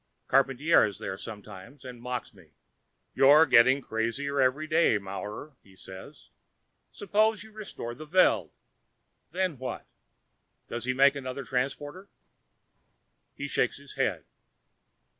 Charpantier is there sometimes, and mocks me. "You're getting crazier every day, Maurer," he says. "Suppose you restore the Veld? Then what? Does he make another transporter?" He shakes his head.